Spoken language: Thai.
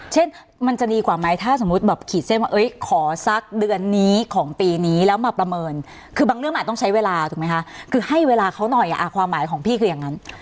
เช่นมันจะดีกว่าไหมถ้าสมมุติแบบขีดเส้นว่าขอสักเดือนนี้ของปีนี้แล้วมาประเมินคือบางเรื่องอาจต้องใช้เวลาถูกไหมคะคือให้เวลาเขาหน่อยความหมายของพี่คืออย่างนั้น